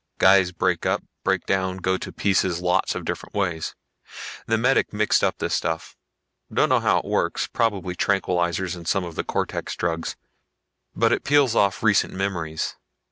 Guys break up, break down, go to pieces lots of different ways. The medic mixed up this stuff. Don't know how it works, probably tranquilizers and some of the cortex drugs. But it peels off recent memories.